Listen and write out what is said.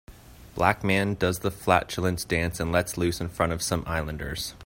Black man does the flatulence dance and lets loose in front of some islanders.